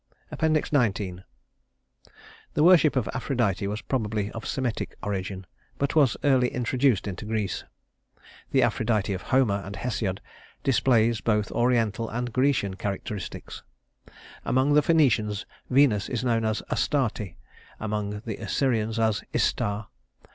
XIX The worship of Aphrodite was probably of Semitic origin, but was early introduced into Greece. The Aphrodite of Homer and Hesiod displays both Oriental and Grecian characteristics. Among the Phœnicians Venus is known as Astarte, among the Assyrians as Istar.